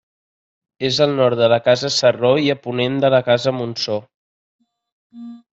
És al nord de la Casa Sarró i a ponent de la Casa Montsor.